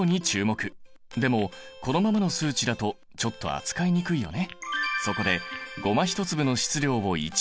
でもこのままの数値だとちょっと扱いにくいよね。